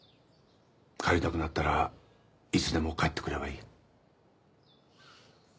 帰りたくなったらいつでも帰ってくればいい。